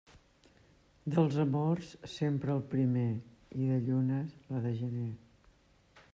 Dels amors, sempre el primer, i de llunes, la de gener.